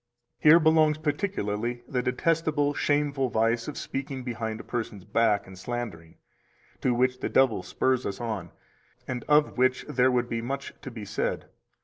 264 Here belongs particularly the detestable, shameful vice of speaking behind a person's back and slandering, to which the devil spurs us on, and of which there would be much to be said.